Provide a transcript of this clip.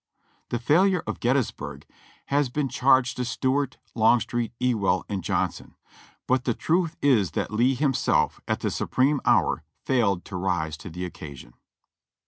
The failure of Gettysburg has been charged to Stuart, Longstreet, Ewell. and Johnson, but the truth is that Lee himself at the supreme hour failed to rise to the occasion.